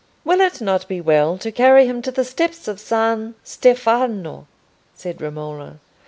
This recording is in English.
"Will it not be well to carry him to the steps of San Stefano?" said Romola.